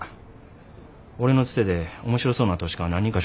俺のつてで面白そうな投資家何人か紹介したるわ。